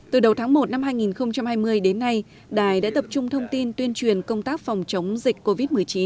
từ đầu tháng một năm hai nghìn hai mươi đến nay đài đã tập trung thông tin tuyên truyền công tác phòng chống dịch covid một mươi chín